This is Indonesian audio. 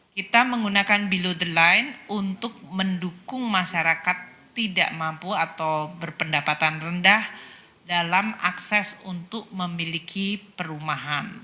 kita menggunakan belo the line untuk mendukung masyarakat tidak mampu atau berpendapatan rendah dalam akses untuk memiliki perumahan